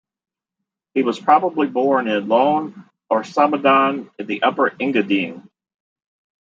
He was probably born in Lohn, or Samedan in the Upper Engadine.